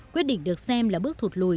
quyết định được xem là bước thụt lùi